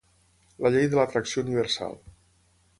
La llei de l'atracció universal.